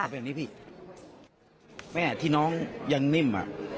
เป็นแบบนี้พี่แม่ที่น้องยังนิ่มอ่ะ